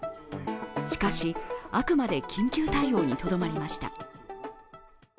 しかし、あくまで緊急対応にとどまりました。